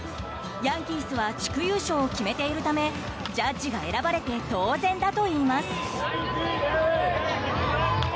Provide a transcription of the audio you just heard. ヤンキースは地区優勝を決めているためジャッジが選ばれて当然だといいます。